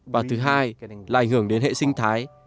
và thứ hai là ảnh hưởng đến hệ sinh thái